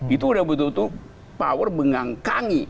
itu udah betul betul power mengangkangi